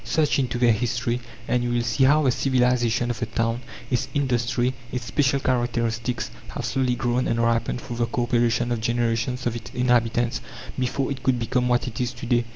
Search into their history and you will see how the civilization of the town, its industry, its special characteristics, have slowly grown and ripened through the co operation of generations of its inhabitants before it could become what it is to day.